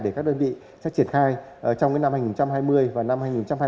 để các đơn vị sẽ triển khai trong năm hai nghìn hai mươi và năm hai nghìn hai mươi một